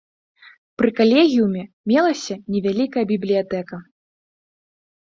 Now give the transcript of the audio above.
Пры калегіуме мелася невялікая бібліятэка.